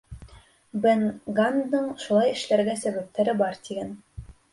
Бен Ганндың шулай эшләргә сәбәптәре бар, тиген.